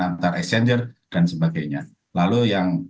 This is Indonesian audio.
antar exchanger dan sebagainya lalu yang